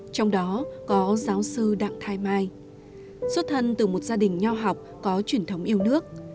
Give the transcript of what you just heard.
trong đó có giáo sư đặng thái mai xuất thân từ một gia đình nho học có truyền thống yêu nước